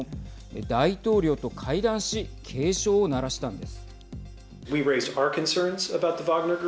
大統領と会談し警鐘を鳴らしたんです。